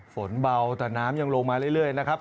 ฝนเบาแต่น้ำยังลงมาเรื่อยนะครับ